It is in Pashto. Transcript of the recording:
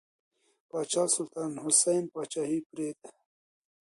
پاچا سلطان حسین پاچاهي پرېږده.